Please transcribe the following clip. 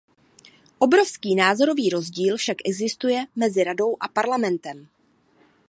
Obrovský názorový rozdíl však existuje mezi Radou a Parlamentem.